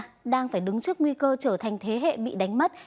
các trẻ em ở gaza đang phải đứng trước nguy cơ trở thành thế hệ bị đánh mất